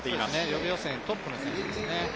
予備予選トップの選手ですね。